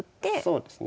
そうですね。